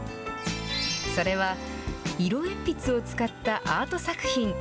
それは色鉛筆を使ったアート作品。